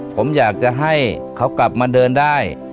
ผมอยากจะให้เขากลับมาเดินได้